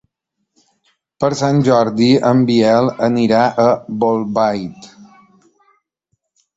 Per Sant Jordi en Biel anirà a Bolbait.